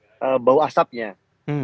karena mungkin wilayah di sana juga cukup luas